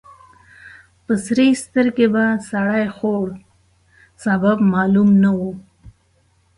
په سرې سترګې به سړی خوړ. سبب معلوم نه و.